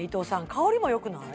香りもよくない？